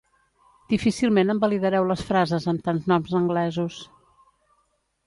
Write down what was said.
Difícilment em validareu les frases amb tants noms anglesos